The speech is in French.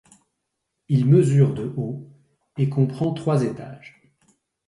Il mesure de haut et comprend trois étages.